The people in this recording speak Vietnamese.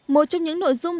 một trong những nội dung